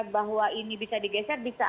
bahwa ini bisa digeser bisa